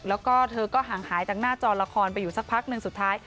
แล้วก็เธอก็ห่างหายจากหน้าจอละครไปอยู่สักพักหนึ่งสุดท้าย